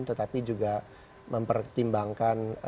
tetapi juga mempertimbangkan